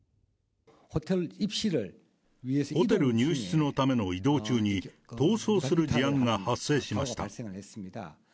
ホテル入室のための移動中に、逃走する事案が発生しました。